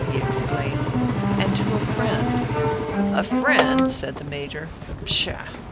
he exclaimed. "And to a friend." "A friend?" said the Major. "Pshaw!